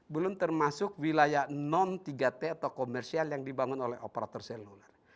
belum termasuk wilayah non tiga t atau komersial yang dibangun oleh operator seluler